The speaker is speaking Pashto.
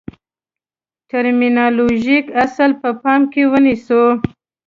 ټرمینالوژیک اصل په پام کې ونیسو.